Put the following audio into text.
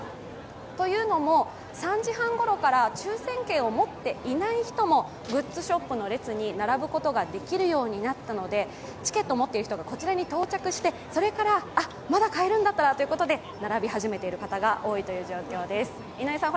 というのも、３時半ごろから抽選券を持っていない人もグッズショップの列に並ぶことができるようになったので、チケットを持っている人が、こちらに到着して、まだ買えるんだったらということで並び始めているという方が多いという状況です。